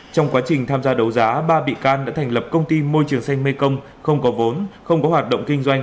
trong quá trình tham gia đấu giá ba bị can đã thành lập công ty môi trường xanh mekong không có vốn không có hoạt động kinh doanh